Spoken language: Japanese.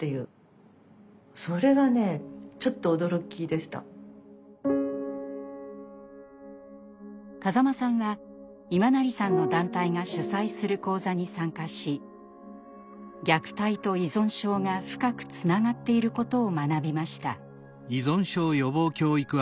何で風間さんは今成さんの団体が主催する講座に参加し虐待と依存症が深くつながっていることを学びました。